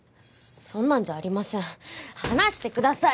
そんなんじゃありません離してください！